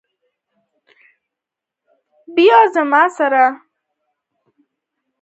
بیه زما سره ده